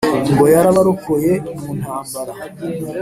Ngo yarabarokoye mu ntambara